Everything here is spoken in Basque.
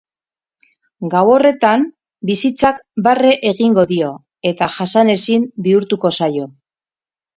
Gau horretan bizitzak barre egingo dio, eta jasanezin bihurtuko zaio.